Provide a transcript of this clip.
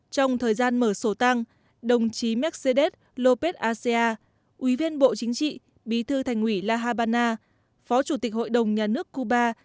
trong thời gian mở sổ tang đồng chí mercedes lópez acea ủy viên bộ chính trị bí thư thành ủy la habana phó chủ tịch hội đồng nhà nước cuba